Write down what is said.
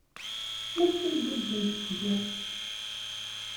Maɣef ay guǧǧent seg-a?